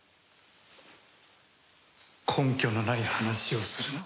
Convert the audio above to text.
根拠のない話をするな。